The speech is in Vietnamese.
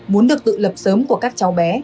muốn được tự lập sớm của các cháu bé